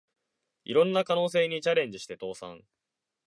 いろんな可能性にチャレンジして倒産